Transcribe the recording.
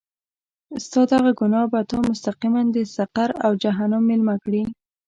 ستا دغه ګناه به تا مستقیماً د سقر او جهنم میلمه کړي.